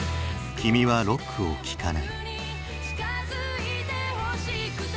「君はロックを聴かない」。